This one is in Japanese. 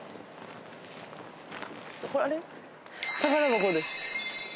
あれ？